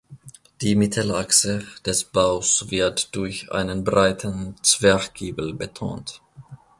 Die Mittelachse des Baus wird durch einen breiten Zwerchgiebel betont.